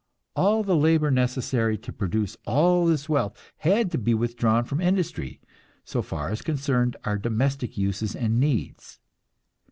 All the labor necessary to produce all this wealth had to be withdrawn from industry, so far as concerned our domestic uses and needs.